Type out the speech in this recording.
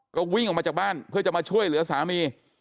ก็วิ่งออกมาจากบ้านเพื่อจะมาช่วยเหลือสามี